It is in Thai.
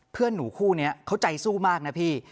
เพื่อนหนูคู่นี้เขาใจสู้มากนะพี่